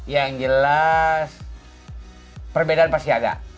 yang jelas perbedaan pasti ada